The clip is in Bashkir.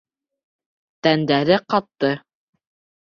Тәндәре ҡатты.